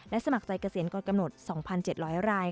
สมัครใจเกษียณก่อนกำหนด๒๗๐๐ราย